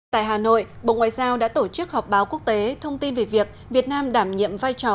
tại hà nội bộ ngoại giao đã tổ chức họp báo quốc tế thông tin về việc việt nam đảm nhiệm vai trò